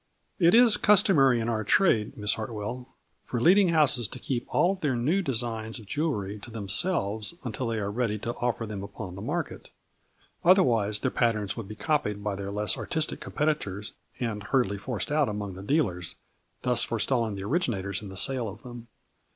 " It is customary in our trade, Miss Hartwell, for leading houses to keep all their new designs of jewelry to themselves until they are ready to offer them upon the market, otherwise their patterns would be copied by their less artistic competitors and hurriedly forced out among the dealers, thus forestalling the originators in the sale of them.